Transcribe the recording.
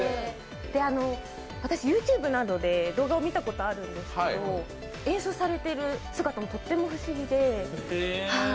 私、ＹｏｕＴｕｂｅなどで動画を見たことがあるんですけど演奏されている姿もとっても不思議で。